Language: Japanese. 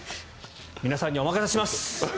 皆さんにお任せします。